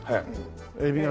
エビが。